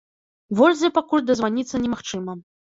Вользе пакуль дазваніцца немагчыма.